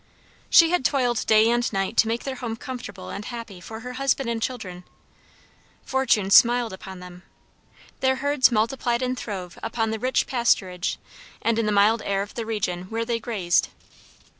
She had toiled day and night to make their home comfortable and happy for her husband and children. Fortune smiled upon them. Their herds multiplied and throve upon the rich pasturage and in the mild air of the region where they grazed.